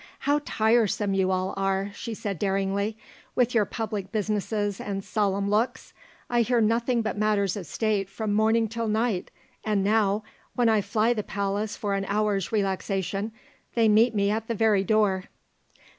"How tiresome you all are," she said daringly, "with your public businesses and solemn looks. I hear nothing but matters of State from morning till night, and now, when I fly the palace for an hour's relaxation, they meet me at the very door."